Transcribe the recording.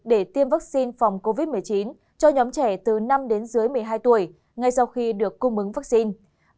để tiêm vaccine phòng covid một mươi chín cho nhóm trẻ từ năm một mươi hai tuổi ngay sau khi được cung mứng vaccine